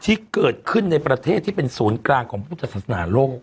ที่เกิดขึ้นในประเทศที่เป็นศูนย์กลางของพุทธศาสนาโลก